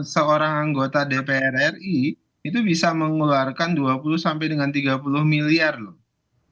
seorang anggota dpr ri itu bisa mengeluarkan dua puluh sampai dengan tiga puluh miliar loh